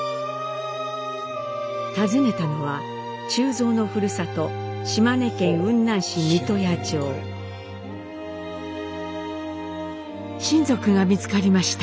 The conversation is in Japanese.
訪ねたのは忠蔵のふるさと親族が見つかりました。